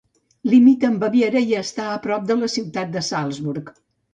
Limita amb Baviera i està prop de la ciutat de Salzburg.